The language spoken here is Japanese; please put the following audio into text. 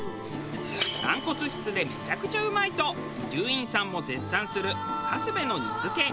軟骨質でめちゃくちゃうまいと伊集院さんも絶賛するカスベの煮付け。